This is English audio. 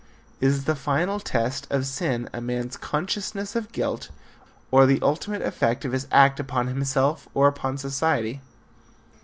Is the final test of sin a man's consciousness of guilt, or the ultimate effect of his act upon himself, or upon society?